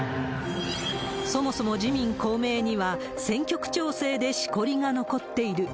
そもそも自民、公明には、選挙区調整でしこりが残っている。